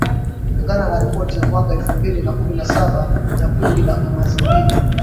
kulingana na ripoti ya mwaka elfu mbili na kumi na saba ya kundi la kimazingira